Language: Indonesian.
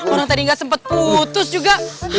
orang tadi nggak sempat putus juga